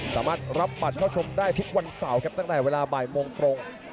สามารถรับบัตรเข้าชมได้ทุกวันเสาร์ครับตั้งแต่เวลาบ่ายโมงตรง